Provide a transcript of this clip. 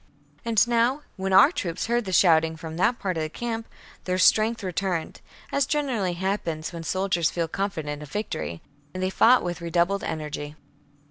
And now, when our troops heard the shouting from that part of the camp, their strength returned, as generally happens when soldiers feel confident of victory, and they fought with redoubled energy.